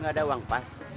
gak ada uang pas